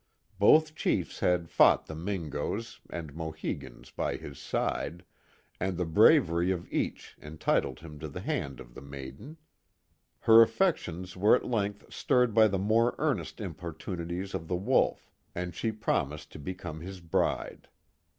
Both chiefs had fought the Mtngoes an<l Mohegans by his side, and the braver)' of each entitled him to the hand of the maiden. Her affections were at length stirred by the more earnest importunities of the Wolf, and she promised lo be come his bride.